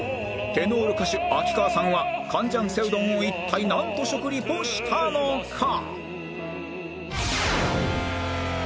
テノール歌手秋川さんはカンジャンセウ丼を一体なんと食リポしたのか？